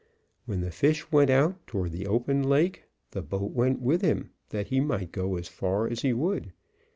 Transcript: When the fish went out toward the open lake, the boat went with him, that he might go as far as he would.